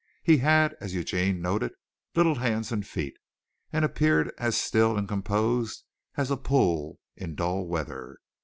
He had, as Eugene noted, little hands and feet, and appeared as still and composed as a pool in dull weather.